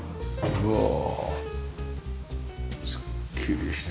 うわあ！